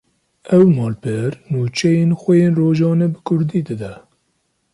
Ev malper, nûçeyên xwe yên rojane bi Kurdî dide